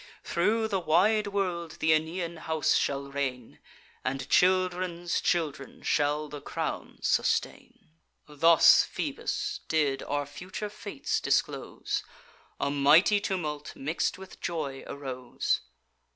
Through the wide world th' Aeneian house shall reign, And children's children shall the crown sustain.' Thus Phoebus did our future fates disclose: A mighty tumult, mix'd with joy, arose.